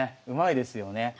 うまいですよね。